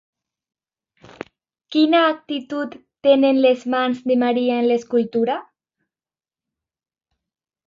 Quina actitud tenen les mans de Maria en l'escultura?